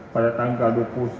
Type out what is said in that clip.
pada tanggal dua puluh satu